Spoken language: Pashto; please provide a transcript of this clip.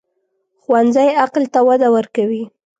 ښوونځی عقل ته وده ورکوي